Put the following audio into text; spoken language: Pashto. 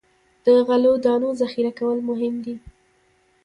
د غلو دانو ذخیره کول مهم دي.